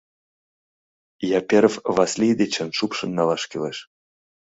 Яперов Васлий дечын шупшын налаш кӱлеш.